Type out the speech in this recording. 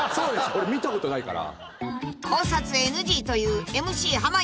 俺見たことないから。